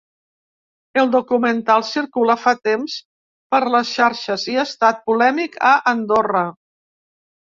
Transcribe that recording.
El documental circula fa temps per les xarxes i ha estat polèmic a Andorra.